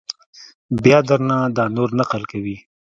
بیا در نه دا نور نقل کوي!